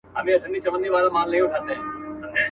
لا د مرګ په خوب ویده دی!.